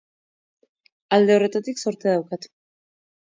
Alde horretatik zortea daukat.